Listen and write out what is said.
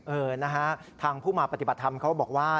เออนะฮะทางผู้มาปฏิบัติธรรมเขาบอกว่า